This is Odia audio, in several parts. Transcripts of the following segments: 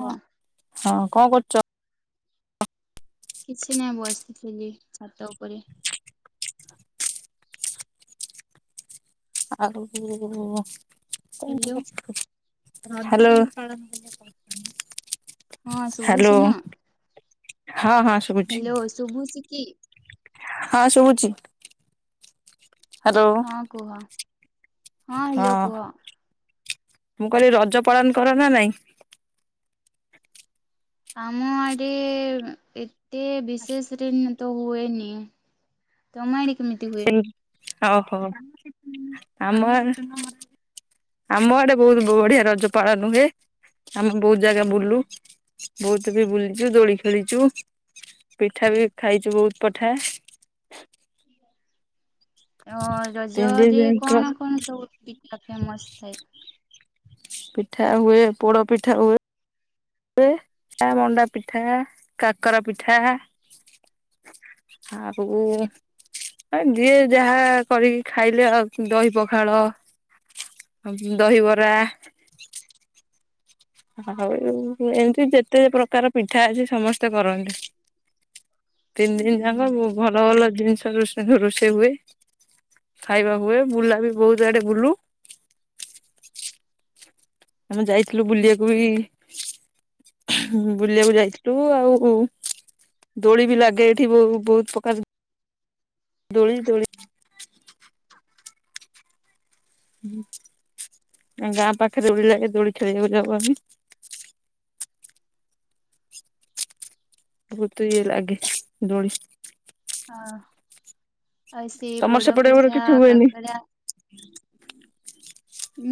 ହଁ ହଁ କଣ କରୁଚ? କିଛି ନାହିଁ ବ ସିଚି ଛାତ ଉପରେ ଆଉ [inaudible] ହ୍ୟାଲୋ ହଁ ହାଲୋ। ହଁ ଶୁବୁଚି ନା? ହଁ ହଁ ଶୁଭୁଛି ହାଲୋ ଶୁଭୁଚି କି? ହଁ ଶୁବୁଚି। ହଁ କୁହ ହଁ ଲୋ କୁହ। ମୁଁ କହିଲି ରଜ ପାଳନ କର ନା ନାଇଁ? ଆମ ଆଡେ ଏତେ ବିଶେଷ [unintelligible] ତ ହୁଏ ନି ତମ ଆଡେ କେମିତି ହୁଏ? ଓହୋ ଆମ ଆଡେ ଆମ ଆଡେ ବୋହୁତ ବଢିଆ ରଜ ପାଳନ ହୁଏ। ଆମେ ବୋହୁତ ଜାଗା ବୁଲୁ ବୋହୁତ ବି ବୁଲିଚୁ ଦୋଳି ଖେଳିଚୁ। ପିଠା ବି ଖାଇଚୁ ବୋଉ ପଠାଏ। ଅ ତିନି ଦିନ ରଜରେ ଯାକ କଣ କଣ ସବୁ ପି ଆ ଫେମସ ଥାଏ। ପିଠା ହୁଏ ପୋଡ ପିଠା ହୁଏ। ତାପରେ ଆ ମଣ୍ଡା ପିଠା କାକରା ପିଠା ଆଉ ଆ ଏ ଯିଏ ଯାହା କରିକି ଖାଇଲେ ଆଉ ଦହି ପଖାଳ ଦହିବରା ଆଉ ଏମିତି ଯେତେ ପ୍ରକାର ପିଠା ଅଛି ସମସ୍ତେ କରନ୍ତି। ତିନି ଦିନ ଉଁ ଯାଁକ ଭୁ-ଭଲ ଭଲ ଜିନିଷ ରୋଷେଇ-ରୋଷେଇ ହୁଏ। ଖାଇବା ହୁଏ ବୁଲା ବି ବୋହୁତ ଆଡେ ବୁଲୁ। ଆମେ ଯାଇଥିଲୁ ବୁଲିବାକୁ ବି [unintelligible] ବୁଲିବାକୁ ଯାଇଥି ଲୁ ଆଉ ଦୋଳି ବି ଲାଗେ ଏଠି ବୋ-ବୋହୁତ ପ୍ରକାର ଦୋଳି, ଦୋଳି ହୁଁ ଗାଁ ପାଖରେ ଦୋଳିିଲାଗେ ଦୋଳି ଖେଳିବାକୁ ଯାଉ ଆମେ। ବୋହୁତ ଇଏ ଲାଗେ ଦୋଳି। ହଁ ଆଉ ସେ ତମର ପୋଡ ସେପଟେ ଗୋଟେ ପିଠା କିଛି ହୁଏନି କାକରା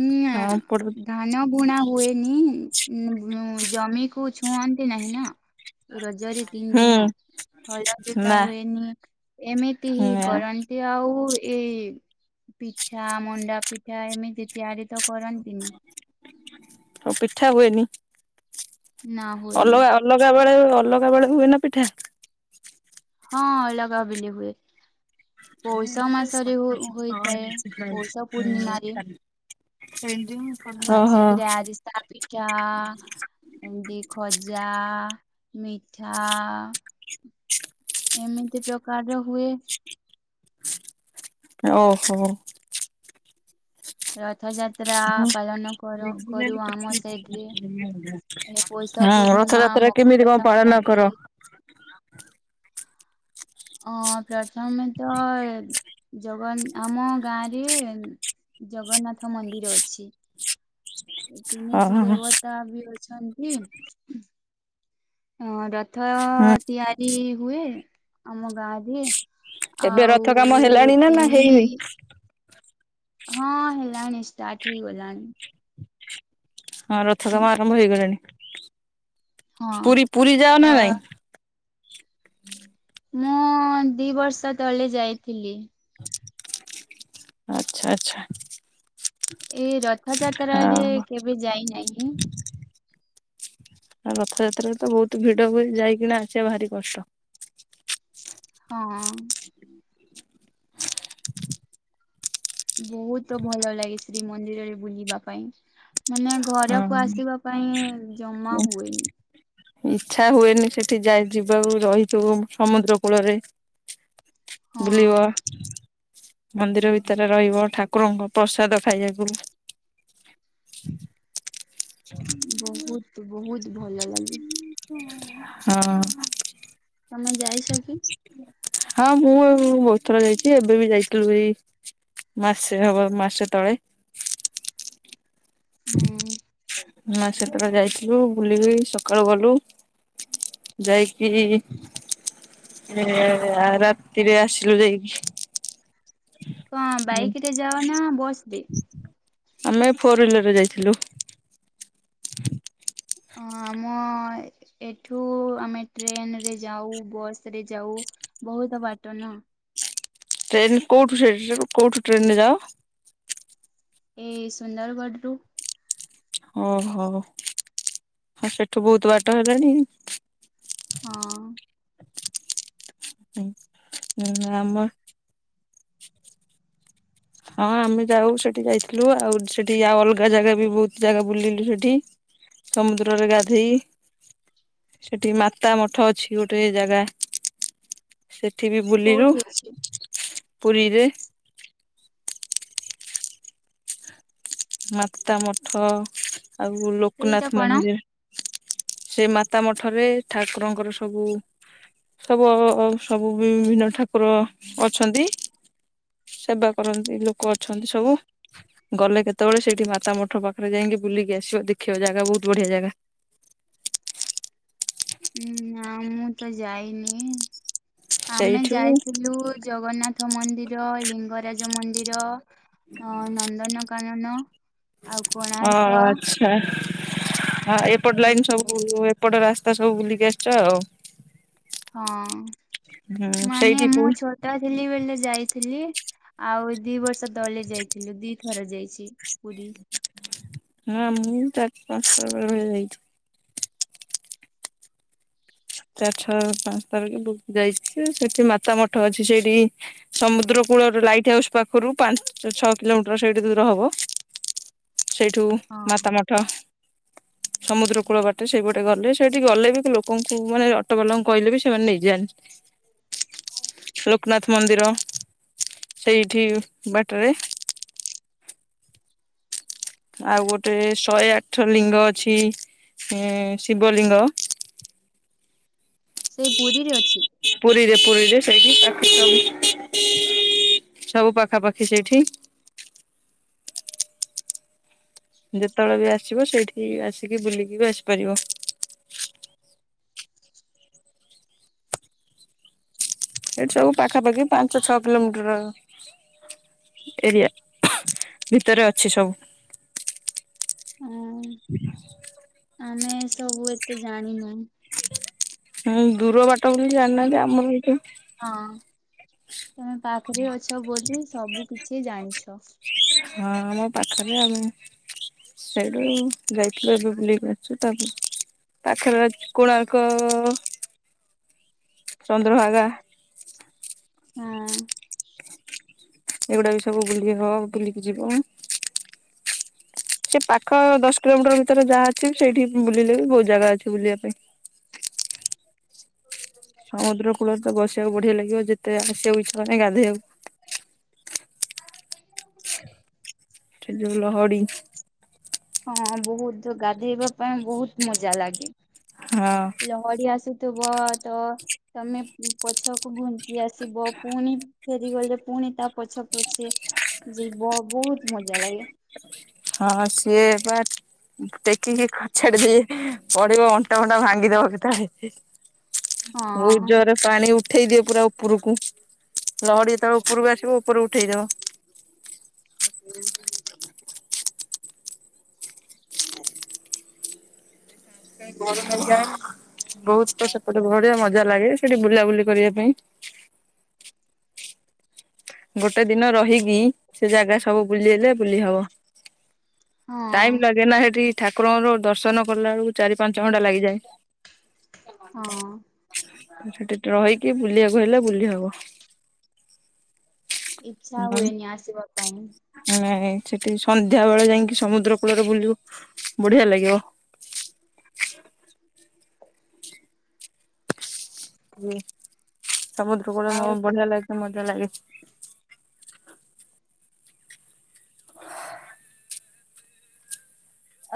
ଉଁ ନାଁ ହଁ ପଟ ହୁଁ ଧାନ ବୁଣା ହୁଏନି ଉଁ ଉଁ ଜମିକୁ ଛୁଅନ୍ତି ନାହିଁ ନା। ରଜରେ ତିନି ଦିନ ହଳ ଜୋତା ନା ହୁଏନି ଏମିତି ହିଁ ନା କରନି। ଏ ଆଉ ଏ ପିଠା ମଣ୍ଡା ପିଠା ଏମିତି ତିଆରି ତ କରନ୍ତିନି। ଆଉ ପିଠା ହୁଏନି ନା ହୁଏନି ଅଲଗା ଅଲଗା ବେଳେ ଅଲଗା ବେଳେ ହୁଏ ନା ପିଠା। ହଁ ଅଲଗା ବେଲେ ହୁଏ। ପୌଷ ମାସରେ ହୋ- ହୋଇଥାଏ ପୌଷ ପୂର୍ଣ୍ଣିମାରେ। [unintelligible] ହେଇଥିବ। ସେଥିରେ ଆରିସା ପିଠା ଏନ୍ତି ଖଜା ଆ ମିଠା ଆ ଏମିତି ପ୍ରକାର ର ହୁଏ। ଓହୋ। ରଥ ଯାତ୍ରା ହଁ ପାଳନ କର କରୁ ଆମ ସାଇଠି। ଏ ପୌଷ ପୂର୍ଣ୍ଣିମା ରଥଯାତ୍ରା କେମିତି ମକର କଣ ପାଳନ କର? ସଂକ୍ରାନ୍ତି ହଁ ପ୍ରଥମେ ତ ଜଗନ ଆମ ଗାଁ ରେ ଜଗନ୍ନାଥ ମନ୍ଦିର ଅଛି। ତିନିଟି ଓହୋ ଦେବତା ବି ଅଛନ୍ତି। ହଁ ରଥ ତିଆରି ହୁଏ ଆମ ଗାଁରେ। ଏବେ ରଥ କାମ ହେଲାଣି ଆଉ ନା ନା ତିନି ହେଇନି? ହଁ ହେଲାଣି ଷ୍ଟାର୍ଟ ହେଇଗଲାଣି। ହଁ ରଥ କାମ ଆରମ୍ଭ ହେଇଗଲାଣି ହଁ। ପୁରୀ ପୁରୀ ଯାଅ ତ ନା ନାଇଁ? ମୁଁ ଦି ବର୍ଷ ତଳେ ଯାଇଥିଲି। ଆଚ୍ଛା ଆଚ୍ଛା। ଏଇ ହଁ ରଥଯାତ୍ରାରେ କେବେ ଯାଇନାହିଁ। ଆଉ ରଥଯାତ୍ରାରେ ତ ବହୁତ୍ ଭିଡ ହୁଏ ଯାଇକିନା ଆସିବା ଭାରି କଷ୍ଟ। ହଁ। ବହୁତ୍ ଭଲ ଲାଗେ ଶ୍ରୀମନ୍ଦିରରେ ବୁଲିବା ପାଇଁ। ମାନେ ଘରକୁ ହଁ ଆସିବା ପାଇଁ ଜମା ହୁଏନି। ଇଚ୍ଛା ହୁଏନି ସେଠି ଯାଇ ଯିବାକୁ ରହିଥିବୁ ସମୁଦ୍ର କୂଳରେ ବୁଲିବ। ହଁ। ମନ୍ଦିର ଭିତରେ ରହିବ ଠାକୁରଙ୍କ ପ୍ରସାଦ ଖାଇବାକୁ। ବହୁତ୍ ବହୁତ୍ ଭଲ ଲାଗେ। ହଁ। ତମେ ଯାଇସ କି? ହଁ ମୁଁ ବହୁତ୍ ଥର ଯାଇଛି ଏବେ ବି ଯାଇଥିଲୁ ଏଇ ମାସେ ହବ ମାସେ ତଳେ। ହୁଁ। ମାସେ ତଳେ ଯାଇଥିଲୁ ବୁଲିକି ସକାଳୁ ଗଲୁ ଯାଇକି ରେ ରାତିରେ ଆସିଲୁ ଯାଇକି। କଣ ବାଇକ ରେ ଯାଅ ନା ବସ ରେ? ଆମେ ଫୋର ହ୍ୱିଲର ରେ ଯାଇଥିଲୁ। ଆମ ଏଠୁ ଆମେ ଟ୍ରେନରେ ଯାଉ ବସରେ ଯାଉ। ବହୁତ ବାଟ ନା। ଟ୍ରେନ କୋଉଠୁ ସେ କୋଉଠୁ ଟ୍ରେନ ରେ ଯାଅ? ଏ ସୁନ୍ଦରଗଡ଼ରୁୁ। ଓ ହୋ ଆଉ ସେଠୁ ବହୁତ୍ ବାଟ ହେଲାଣି। ହଁ। ହୁଁ ଆମର ହଁ ଆମେ ଯାଉ ସେଠି ଯାଇଥିଲୁ ଆଉ ସେଠି ଆଉ ଅଲଗା ଜାଗା ବି ବହୁତ୍ ଜାଗା ବୁଲିଲୁ ସେଠି। ସମୁଦ୍ରରେ ଗାଧେଇ - ସେଠି ମାତା ମଠ ଅଛି ଗୋଟେ ଜାଗା। ସେଠି ବି ବୁଲିଲୁ କୋଉଠି ଅଛି ପୁରୀରେ। ମାତା ମଠ ଆଉ ସେଇଟା ଲୋକନାଥ କଣ? ମନ୍ଦିର। ସେ ମାତା ମଠରେ ଠାକୁରଙ୍କର ସବୁ ସବୁ ଅ ଅ ସବୁ ବିଭିନ୍ନ ଠାକୁର ଅଛନ୍ତି। ସେବା କରନ୍ତି ଲୋକ ଲୋକ ଅଛନ୍ତି ସବୁ ଗଲେ କେ କେତବେଳେ ସେଇଠି ମାତା ମଠ ପାଖରେ ଯାଇଁକି ବୁଲିକି ଆସିବ। ଦେଖିବ ଜାଗା ବହୁତ ବଢିଆ ଜାଗା। ଉଁ ନା ମୁଁ ତ ଯାଇନି। ଆମେ ସେଇଠୁ ଯାଇଥିଲୁ ଜଗନ୍ନାଥ ମନ୍ଦିର, ଲିଙ୍ଗରାଜ ମନ୍ଦିର ଅ ନନ୍ଦନକାନନ ଆଉ କୋଣାର୍କ ହା। ହା ଏପଟ ଲାଇନ ଏମିତି ଯାଇ ସବୁ ଏପଟ ରାସ୍ତା ସବୁ ବୁଲିକି ଆସିଛ ଆଉ। ହୁଁ ହଁ। ମାନେ ସେଇଠି ମୁଁ ଛୋ ଟ ଥିଲି ବେଳେ ଯାଇଥିଲି ଆଉ ଦି ବର୍ଷ ତଳେ ଯାଇଥିଲୁ ଦିଥର ଯାଇଛି। [unintelligible] ପୁରୀ ହଁ ମୁଇଁ ଚାରି ପାଞ୍ଚ [unintelligible] ଯାଇଛି। ଚାରଥର ପାଞ୍ଚଥର କିନ୍ତୁ ଯାଇଛି। ସେଠି ମାତା ମଠ ଅଛି ସେଇଠି ସମୁଦ୍ର କୂଳର ଲାଇଟ୍ ହାଉସ୍ ପାଖରୁ ପାଞ୍ଚ ଛଅ କିଲୋମିଟର ସେଇଠୁ ଦୂର ହବ। ସେଇଠୁ ହଁ ମାତା ମଠ। ସମୁଦ୍ର କୂଳ ବାଟେ ସେଇ ପଟେ ଗଲେ, ସେଇଠି ଗଲେ ବି ଲୋ ଲୋକଙ୍କୁ ମାନେ ଅଟୋବାଲାଙ୍କୁ କହିଲେ ବି ସେମାନେ ନେଇଯାନ୍ତି। ଲୋକନାଥ ମନ୍ଦିର। ସେଇଠି ବାଟେରେ ଆଉ ଗୋଟେ ଶହେ ଆଠ ଲିଙ୍ଗ ଅଛି ଶିବ ଲିଙ୍ଗ। ସେ ପୁରୀରେ ଅଛି? ପୁରୀରେ ପୁରୀରେ ସେଇଠି ପାଖ [inaudible] ସବୁ ପାଖାପାଖି ସେଇଠି। ଯେତେବେଳେ ବି ଆସିବ ସେଇଠି ଆସିକି ବୁଲିକି ବି ଆସିପାରିବ। ଏଇଠି ସବୁ ପାଖାପାଖି ପାଞ୍ଚ ଛଅ କିଲୋମିଟର। ଏରିଆ ଭିତରେ ଅଛି ସବୁ। ଅଁ ଆମେ ଏ ସବୁ ଏତେ ଜାଣିନାହୁଁ। [unintelligible] ଦୂର ବାଟ ବୋଲି ତମେ ଜାଣିନାହାନ୍ତି ଆମର ଏଇଠି ହଁ ତମେ ପାଖରେ ଅଛ ବୋଲି ସବୁ କିଛି ଜାଣିଛ। ହଁ ଆମ ପାଖରେ ଆମେ ସେଇଠୁ ଯାଇଥିଲୁ ଏବେ ବୁଲି ଆସିଛୁ ତାପରେ ପାଖରେ ଅ କୋଣାର୍କ ଚଦ୍ରଭାଗା। ହଁ। ଏଗୁଡା ବି ସବୁ ବୁଲି ହବ ବୁଲିକି ଯିବ। ସେ ପାଖ ଦଶ କିଲୋମିଟର ଭିତରେ ଯାହା ଅଛି ସେଇଠି ବୁଲିଲେ ବି ବହୁତ ଜାଗା ଅଛି ବୁଲିବା ପାଇଁ। ସମୁଦ୍ର କୂଳରେ ତ ବସିବାକୁ ବଢିଆ ଲାଗିବ ଯେତେ ଯାହା ଆସିବାକୁ ଇଚ୍ଛା ହବନି ଗାଧୋଇବାକୁ [inaudible] ସେ ଯୋଉ ଲହଡି। ହଁ ବହୁତ ଗାଧେଇବା ପାଇଁ ବହୁତ ମଜା ଲାଗେ। ହଁ। ଲହଡି ଆସୁଥିବ ତ ତମେ ପଛକୁ ଘୁଞ୍ଚ- ଆସିବ ପୁଣି ଫେରିଗଲେ ପୁଣି ତା ପଛ ଅଛି ଯିବ ବହୁତ ମଜା ଲାଗେ। ହଁ ସେ ବା ଟେକିକି ଖଛାଡି ଦିଏ, ପଡିବ ଅଣ୍ଟା ଫଣ୍ଟା ଭାଙ୍ଗିଦବ କେତବେଳେ। ବହୁତ ହଁ ଜର ପାଣି ଉଠେଇ ଦିଅ ପୁରା ଉପରକୁ, ଲହଡି ଯେ ତେବେଳେ ଉପରକୁ ଆସିବ, ଉପରକୁ ଉଠେଇଦବ। ଏ [unintelligible] ଆ [unintelligible] ବହୁତ ସେପଟେ ବଢ଼ିଆ ମଜା ଲାଗେ, ସେଠି ବୁଲାବୁଲି କରିବା ପାଇଁ। ଗୋଟେ ଦିନ ରହିକି, ସେ ଜାଗା ସବୁ ବୁଲି ହେଲେ ବୁଲି ହବ। ହଁ ଟାଇମ ଲାଗେ ନା ସେଠି ଠାକୁରଙ୍କର ଦର୍ଶନ କଲା ବେଳକୁ ଚାରି ପାଞ୍ଚ ଘଣ୍ଟା ଲାଗିଯାଏ। ହଁ ରହିକି ବୁଲିବାକୁ ହେଲା ବୁଲି ହବ ଇଛା ହୁଏନି ଆସିବା ପାଇଁ। ନାଇଁ ସେଠି ସନ୍ଧ୍ୟା ବେଳେ ଯାଇକି ସମୁଦ୍ର କୂଳରେ ବୁଲିବୁ, ବଢିଆ ଲାଗିବ। ସମୁଦ୍ର କୂଳ ଆଉ ତ- ବଢିଆ ଲାଗେ, ମଜା ଲାଗେ।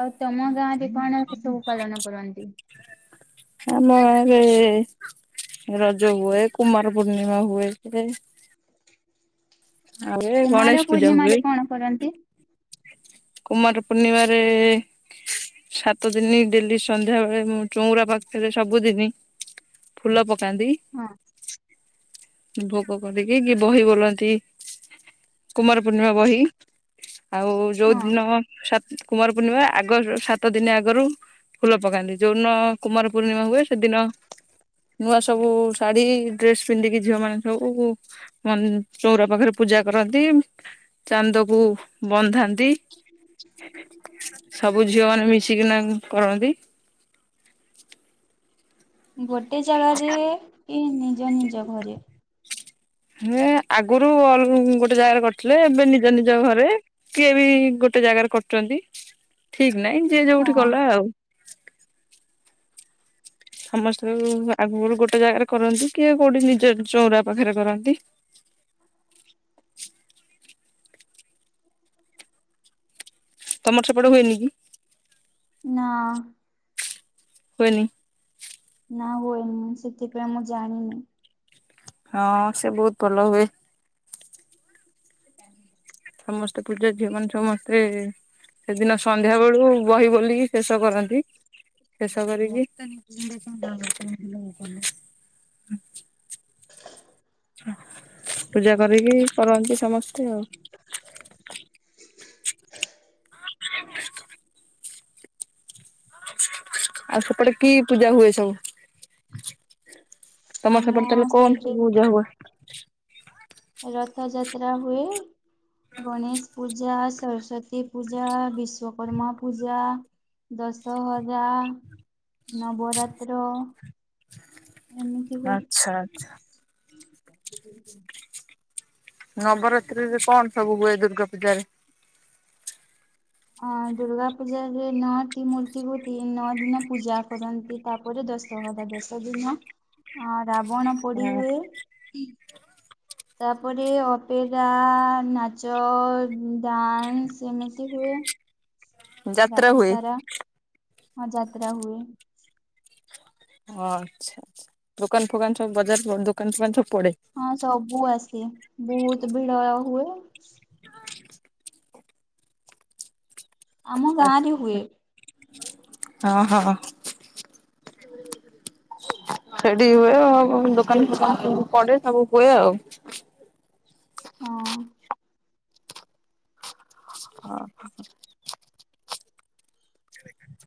ଆଉ ତମ ଗାଁ ରେ କଣ ସେ ସବୁ ପାଳନ କରନ୍ତି? ଆମ ଗାଁରେ ରଜ ହୁଏ, କୁମାର ପୂର୍ଣ୍ଣିମା ହୁଏ, ସେ ଗଣେଶ କୁମାର ପୂଜା ହୁଏ ପୂର୍ଣ୍ଣିମାରେ କଣ କରନ୍ତି? କୁମାର ପୂର୍ଣ୍ଣିମାରେ ସାତ ଦିନ ଡେଲି ସନ୍ଧ୍ୟା ବେଳେ, ମୁଁ ଚଉଁରା ପାଖରେ ସବୁଦିନି ଫୁଲ ପକାନ୍ତି। ହଁଅ ଭୋଗ କରକି, କି ବହି ବୋଲନ୍ତି। କୁମାର ପୂର୍ଣ୍ଣିମା ବହି। ଆଉ ଯୋଉ ହଁ ଦିନ ସ କୁମାର ପୂର୍ଣ୍ଣିମା ଆଗ, ସାତ ଦିନ ଆଗରୁ ଫୁଲ ପକାନ୍ତି, ଯୋଉଦିନ କୁମାର ପୂର୍ଣ୍ଣିମା ହୁଏ, ସେଦିନ ନୂଆ ସବୁ ଶାଢ଼ୀ, ଡ୍ରେସ ପିନ୍ଧିକି ଝିଅ ମାନ ସବୁ ଚଉରା ପାଖରେ ପୂଜା କରନ୍ତି, ଚାନ୍ଦ କୁ ବନ୍ଧାନ୍ତି, ସବୁ ଝିଅ ମାନେ ମିଶିକିନା କରନ୍ତି। ଗୋଟେ ଜାଗାରେ କି ନିଜ ନିଜ ଘରେ? ହେ ଆଗରୁ ଗୋଟେ ଜାଗାରେ କରିଥିଲେ, ଏବେ ନିଜ ନିଜ ଘରେ। କିଏ ବି ଗୋଟେ ଜାଗାରେ କରୁଛନ୍ତି, ଠିକ ନାହିଁ, ଯିଏ ଯୋଉଠି ହଁ କଲା ଆଉ ସମସ୍ତେ ଆଗ ଗୋଟେ ଜାଗାରେ କରନ୍ତି, କି କୋଉଠି ନିଜ ଚଉରା ପାଖରେ କରନ୍ତି। ତମର ସେପଟ ହୁଏନି କି? ନା ଆ ହୁଏନି। ନା ହୁଏନି, ସେଥିପାଇଁ ମୁଁ ଜାଣିନି। ହଁ ସେ ବହୁତ ଭଲ ହୁଏ। ଁ [inaudible] ସେ [unintelligible] ସମସ୍ତେ ପୂଜା ଝିଅ, ମାନେ ସମସ୍ତେ ସେଦିନ ସନ୍ଧ୍ୟା ବେଳୁ ବହି ବୋଲିକି ଶେଷ କରନ୍ତି, ଶେଷ କରିକି [unintelligible] [unintelligible] [inaudible] ପୂଜା କରିକି, କରନ୍ତି ସମସ୍ତେ ଆଉ ଆଉ ସେପଟେ କି ପୂଜା ହୁଏ ସବୁ? ତମର ଆମ ସେପଟେ ତାହେଲେ କଣ ସବୁ ସାଇଡରେ ପୂଜା ହୁଏ? ରଥ ଯାତ୍ରା ହୁଏ, ଗଣେଶ ପୂଜା, ସରସ୍ଵତୀ ପୂଜା, ବିଶ୍ୱକର୍ମା ପୂଜା, ଦଶହରା ନବରାତ୍ର ଆଛା ଆଛା। କ [inaudible] ନବରାତ୍ରିରେ କଣ ସବୁ ହୁଏ ଦୁର୍ଗା ପୂଜାରେ? ଅଁ, ଦୂର୍ଗା ପୂଜାରେ ନଅଟି ମୂର୍ତ୍ତିକୁ ତିନି ନଅ ଦିନ ପୂଜା କରନ୍ତି, ତାପରେ ଦଶ ଦଶହରା ଦଶ ଦିନ, ଅ ରାବଣ ପୋଡି ହୁଏ। ତାପରେ ଅପେରା, ନାଚ, ଡ୍ୟାନ୍ସ ଏମିତି ହୁଏ। ଯାତ୍ରା ରାତି ହୁଏ। ସାରା, ହଁ ଯାତ୍ରା ହୁଏ। ଆଛା, ଆଛା, ଦୋକାନ ଫୋକାନ ସବୁ ବଜାର, ଦୋକାନ ଫୋକାନ ସବୁ ପଡେ? ହଁ ସବୁ ଆସିବେ, ବହୁତ ଭିଡ ହୁଏ। [unintelligible] [inaudible] ଆମ ଗାଁରେ ହୁଏ ଆଛା, ହଁ ହଁ। ସେଠି ହୁଏ ଆ, ଦୋକାନ ଫୋକାନ ପଡେ ସବୁ ହୁଏ ଆଉ। ହଁ। ହଁ।